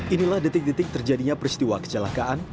inilah detik detik terjadinya peristiwa kecelakaan